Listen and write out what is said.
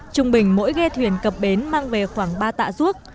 trung bình mỗi ghe thuyền cập bến mang về khoảng ba tạ ruốc